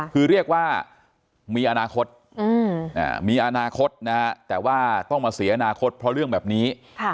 คือเรียกว่ามีอนาคตมีอนาคตนะฮะแต่ว่าต้องมาเสียอนาคตเพราะเรื่องแบบนี้